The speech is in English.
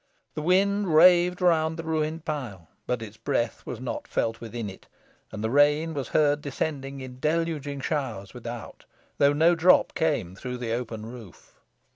The wind raved around the ruined pile, but its breath was not felt within it, and the rain was heard descending in deluging showers without, though no drop came through the open roof.